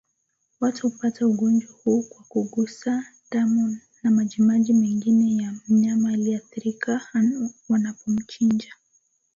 Watu hupata ugonjwa huu kwa kugusa damu na majimaji mengine ya mnyama aliyeathirika wanapomchinja